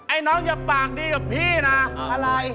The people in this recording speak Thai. ไอ้น้องอย่าปากดีกับพี่นะ